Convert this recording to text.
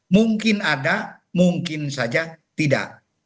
mungkin ada mungkin saja tidak